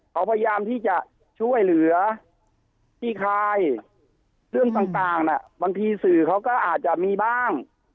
เขาพยายามที่จะช่วยเหลือขี้คายเรื่องต่างบางทีสื่อเขาก็อาจจะมีบ้าง